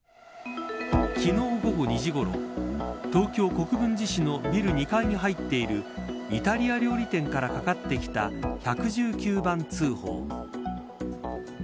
昨日、午後２時ごろ東京・国分寺市のビル２階に入っているイタリア料理店からかかってきた１１９番通報。